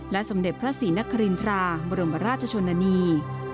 สมเด็จพระศรีนครินทราบรมราชชนนานี